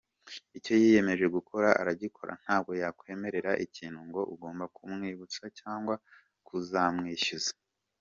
Icyo yiyemeje gukora aragikora ntabwo yakwemerera ikintu ngo ugombe kumwibutsa cyangwa kuzamwishyuza.